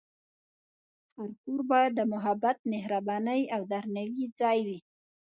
هر کور باید د محبت، مهربانۍ، او درناوي ځای وي.